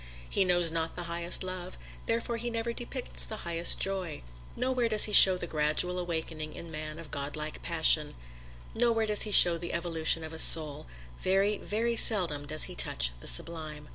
He knows not the highest love, therefore he never depicts the highest joy. Nowhere does he show the gradual awakening in man of Godlike passion nowhere does he show the evolution of a soul; very, very seldom does he touch the sublime.